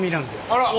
あら！